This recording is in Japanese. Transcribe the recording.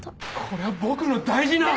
これは僕の大事な。